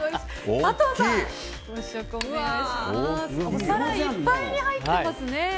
お皿いっぱいに入ってますね。